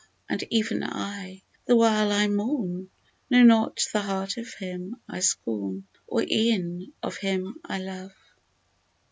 and even I, the while I mourn, Know not the heart of him I scorn, Or e'en of him I love